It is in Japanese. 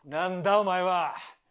お前は！